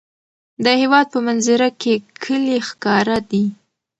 د هېواد په منظره کې کلي ښکاره دي.